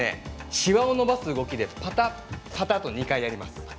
しわを伸ばす動きでパタパタと２回やります。